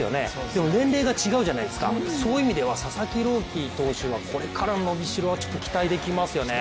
でも、年齢が違うじゃないですかという意味ではこれからの伸びしろは期待できますね。